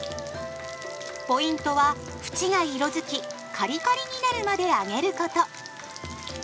ポイントは縁が色づきカリカリになるまで揚げること！